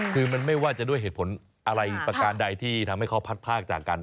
คือมันไม่ว่าจะด้วยเหตุผลอะไรประการใดที่ทำให้เขาพัดภาคจากกัน